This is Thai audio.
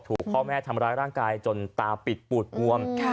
ถูกพ่อแม่ทำร้ายร่างกายจนตาปิดปูดบวม